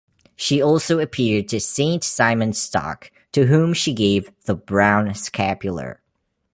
She also appeared to Saint Simon Stock to whom she gave the Brown Scapular.